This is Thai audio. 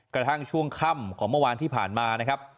กระทั่งช่วงค่ำของเมื่อวานที่ผ่านมานะครับ